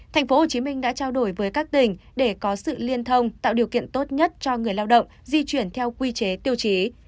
tp hcm đã trao đổi với các tỉnh để có sự liên thông tạo điều kiện tốt nhất cho người lao động di chuyển theo quy chế tiêu chí